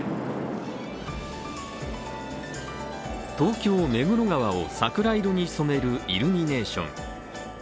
東京・目黒川を桜色に染めるイルミネーション。